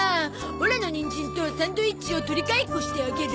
オラのニンジンとサンドイッチを取り換えっこしてあげる。